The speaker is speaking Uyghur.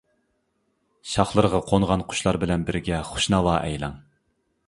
شاخلىرىغا قونغان قۇشلار بىلەن بىرگە خۇش ناۋا ئەيلەڭ.